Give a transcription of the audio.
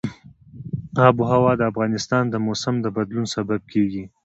آب وهوا د افغانستان د موسم د بدلون سبب کېږي.